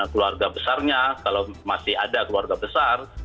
keluarga besarnya kalau masih ada keluarga besar